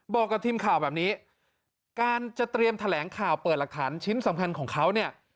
บอกกับทีมข่าวแบบนี้การจะเตรียมแถลงข่าวเปิดหลักฐานชิ้นสำคัญของเขาเนี่ย